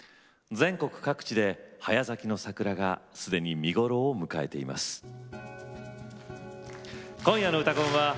全国各地で早咲きの桜がすでに見頃を迎えています。